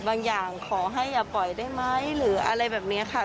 อย่างขอให้อย่าปล่อยได้ไหมหรืออะไรแบบนี้ค่ะ